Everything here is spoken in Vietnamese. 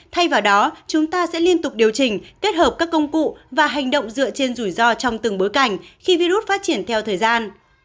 thay vào đó chúng ta sẽ liên tục điều chỉnh kết hợp các công cụ và hành động dựa trên rủi ro trong từng bối cảnh khi virus phát triển theo thời gian